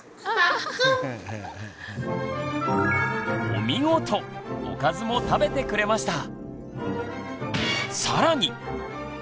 おかずも食べてくれました！